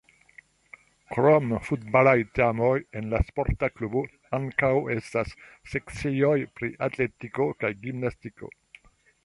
Krom futbalaj teamoj en la sporta klubo ankaŭ estas sekcioj pri atletiko kaj gimnastiko.